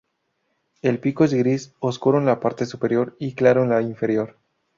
El pico es gris, oscuro en la parte superior y claro en la inferior.